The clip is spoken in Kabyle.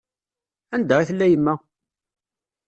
Anda i tella yemma?